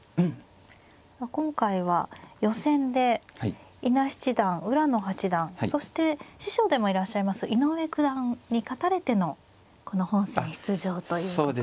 今回は予選で伊奈七段浦野八段そして師匠でもいらっしゃいます井上九段に勝たれてのこの本戦出場ということですね。